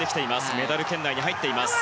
メダル圏内に入ってきています。